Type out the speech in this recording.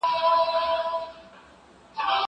زه اوږده وخت کتابونه وړم وم!؟